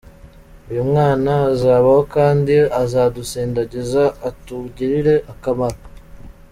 Uyu mwana azabaho kandi azadusindagiza atugirire akamaro.